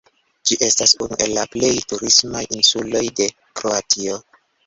Ĝi estas unu el la plej turismaj insuloj de Kroatio.